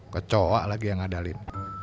kecoak lagi yang ngadalin